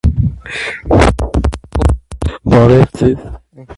Բոյսերու հիւանդութիւններով կը զբաղուի բուսախտաբանութիւնը (ֆիտոպաթոլոգիան)։